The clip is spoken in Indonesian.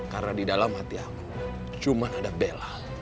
karena di dalam hati aku cuma ada bella